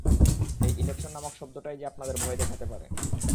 এই ইলেকশন নামক শব্দটাই যে আপনাদের ভয় দেখাতে পারে।